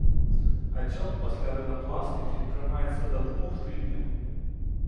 Ацёк пасля рынапластыкі трымаецца да двух тыдняў.